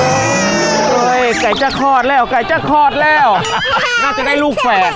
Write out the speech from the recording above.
เก้าไก่ช่างคลอดแล้วเก้าไก่ช่างคลอดแล้วน่าจะได้ลูกแฝก